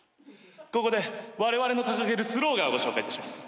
ここでわれわれの掲げるスローガンをご紹介いたします。